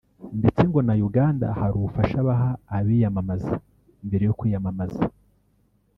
ndetse ngo na Uganda hari ubufasha baha abiyamamaza mbere yo kwiyamamaza